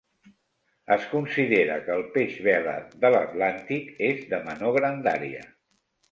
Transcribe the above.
Es considera que el peix vela de l'Atlàntic és de menor grandària.